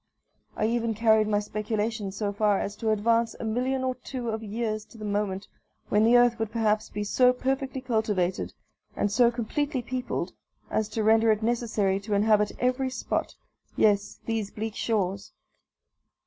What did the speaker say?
I even carried my speculations so far as to advance a million or two of years to the moment when the earth would perhaps be so perfectly cultivated, and so completely peopled, as to render it necessary to inhabit every spot yes, these bleak shores.